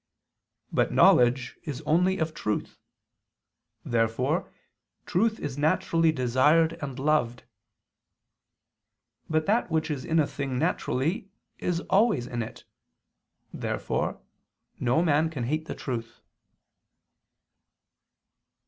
But knowledge is only of truth. Therefore truth is naturally desired and loved. But that which is in a thing naturally, is always in it. Therefore no man can hate the truth.